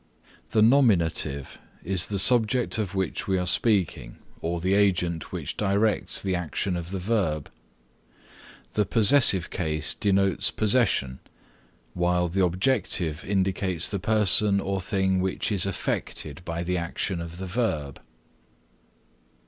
The nominative is the subject of which we are speaking or the agent which directs the action of the verb; the possessive case denotes possession, while the objective indicates the person or thing which is affected by the action of the verb.